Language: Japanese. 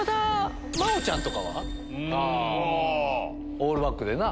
オールバックでな。